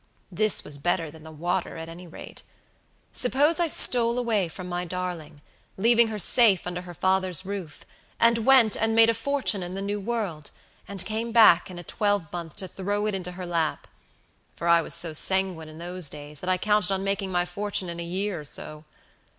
This was better than the water, at any rate. Suppose I stole away from my darling, leaving her safe under her father's roof, and went and made a fortune in the new world, and came back in a twelvemonth to throw it into her lap; for I was so sanguine in those days that I counted on making my fortune in a year or so.